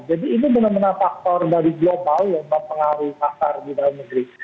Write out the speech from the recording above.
jadi ini benar benar faktor dari global yang mempengaruhi pasar di dalam negeri